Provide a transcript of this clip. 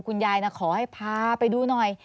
คุณยายขอให้พาไปดูหน่อย